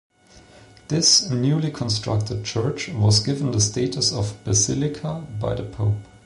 This newly constructed church was given the status of basilica by the pope.